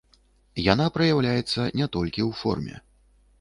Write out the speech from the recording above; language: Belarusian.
Яна праяўляецца не толькі ў форме.